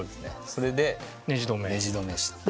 それでネジ留めして。